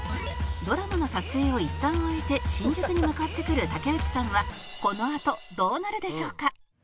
「ドラマの撮影をいったん終えて新宿に向かってくる竹内さんはこのあとどうなるでしょうか？」